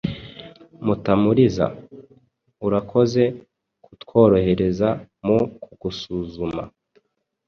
Mutamuriza: Urakoze kutworohereza mu kugusuzuma.